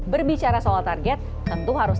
berbicara soal target tentu harus